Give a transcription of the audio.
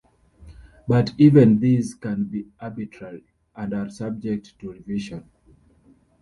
But even these can be arbitrary and are subject to revision.